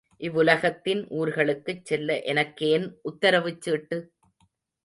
இவ்வுலகத்தின் ஊர்களுக்குச் செல்ல எனக்கேன் உத்தரவுச்சீட்டு?